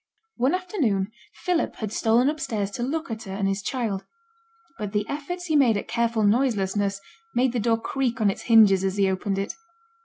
One afternoon Philip had stolen upstairs to look at her and his child; but the efforts he made at careful noiselessness made the door creak on its hinges as he opened it.